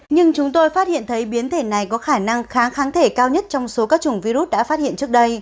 nhưng chúng tôi phát hiện thấy biến thể này có khả năng kháng kháng thể cao nhất trong số các chủng virus đã phát hiện trước đây